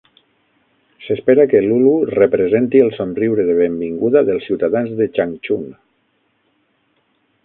S'espera que Lulu representi el somriure de benvinguda dels ciutadans de Changchun.